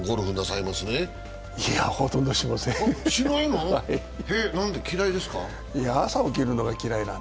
いや、ほとんどしません。